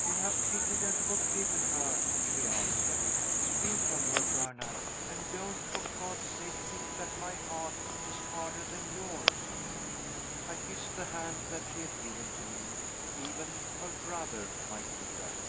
"You have pitied and forgiven her," she answered. "Speak of her, Bernard and don't, for God's sake, think that my heart is harder than yours." I kissed the hand that she had given to me even her "brother" might do that!